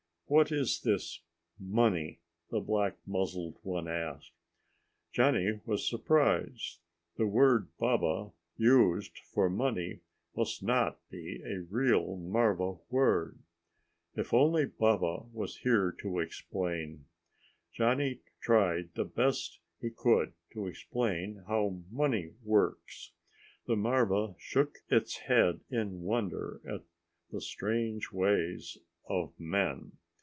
"What is this money?" the black muzzled one asked. Johnny was surprised. The word Baba used for money must not be a real marva word. If only Baba was here to explain! Johnny tried the best he could to explain how money works. The marva shook its head in wonder at the strange ways of men.